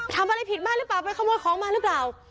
ทำอะไรผิดบ้างหรือเปล่าไปขโมยของมาหรือเปล่า